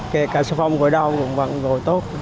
kể cả sản phẩm gội đau cũng vẫn gội tốt